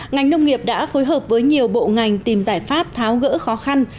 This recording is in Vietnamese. ngành nông nghiệp đã phối hợp với nhiều bộ ngành tìm giải pháp tháo gỡ khó khăn